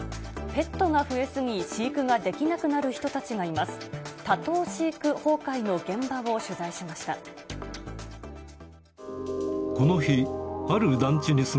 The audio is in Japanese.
ペットが増え過ぎ、飼育ができなくなる人たちがいます。